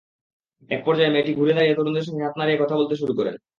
একপর্যায়ে মেয়েটি ঘুরে দাঁড়িয়ে তরুণদের সঙ্গে হাত নাড়িয়ে কথা বলতে শুরু করেন।